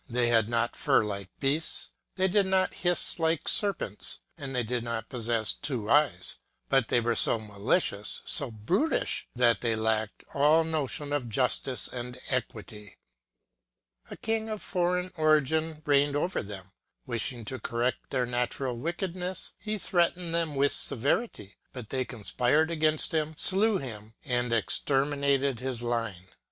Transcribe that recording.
They had not fur like bears; they did not hiss like serpents ; and they did possess two eyes : X but they were so malicious, so brutish, that they lacked all notion of justice and equity. A king of foreign origin reigned over them. Wishing to correct their natural wickedness, he treated them with severity ; but they conspired against him, slew him, and exterminated his line.